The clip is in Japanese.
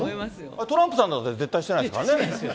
あれ、トランプさんなんて絶対してないですからね。